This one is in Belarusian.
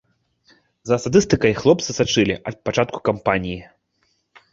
За статыстыкай хлопцы сачылі ад пачатку кампаніі.